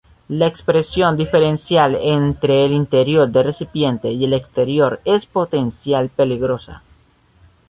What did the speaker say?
La presión diferencial entre el interior del recipiente y el exterior es potencial peligrosa.